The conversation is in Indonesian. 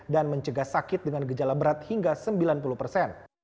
dan mencegah sakit dengan gejala berat hingga sembilan puluh persen